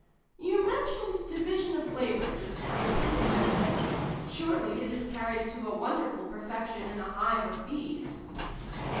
':" You mentioned ' division of labour,' just now," I said. " Surely it is carried to a wonderful perfection in a hive of bees